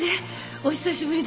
お久しぶりです。